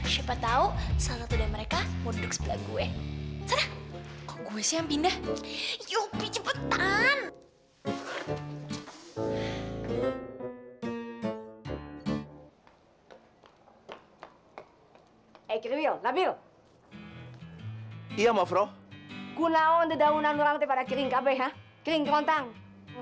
siapa tau salah satu dari mereka mau duduk sebelah gue